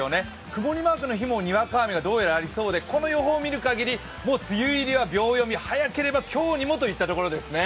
曇りマークの日もにわか雨がどうやらありそうで、この予報を見る限り、梅雨入りはもう秒読み、早ければ今日にもといったところですね。